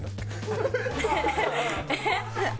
えっ？